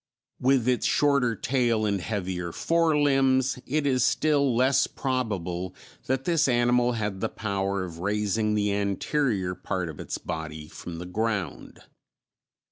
With its shorter tail and heavier fore limbs, it is still less probable that this animal had the power of raising the anterior part of its body from the ground.